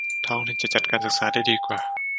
ท้องถิ่นจะจัดการศึกษาได้ดีกว่า